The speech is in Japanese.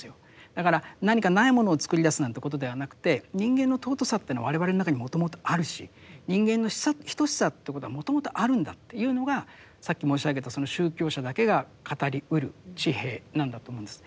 だから何か無いものを作り出すなんてことではなくて人間の尊さというのは我々の中にもともとあるし人間の等しさってことはもともとあるんだっていうのがさっき申し上げた宗教者だけが語りうる地平なんだと思うんです。